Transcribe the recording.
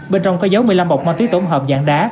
bên trong có dấu một mươi năm bọc ma túy tổng hợp dạng đá